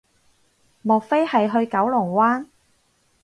莫非係去九龍灣